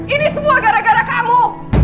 ini semua gara gara kamu